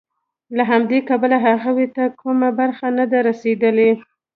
له همدې کبله هغوی ته کومه برخه نه ده رسېدلې